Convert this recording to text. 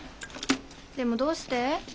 でもどうして？